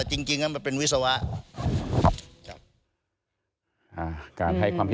หรือว่าเป็นที่ปรึกษาให้ใครอะไรยังไง